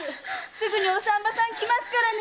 すぐにお産婆さん来ますからね。